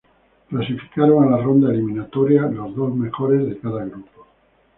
Clasificaron a la ronda eliminatoria los dos mejores de cada grupo.